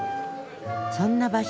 そんな場所